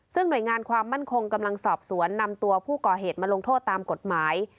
ซึ่งหน่วยงานความมั่นคงกำลังสอบสวนนำตัวผู้ก่อเหตุมาลงโทษตามกฎหมาย